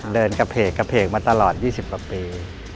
เดินกระเพกกระเพกมาตลอด๒๐กว่าปี